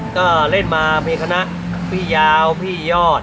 ก็เล่นมามีคณะพี่ยาวพี่ยอด